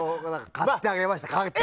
買ってあげました。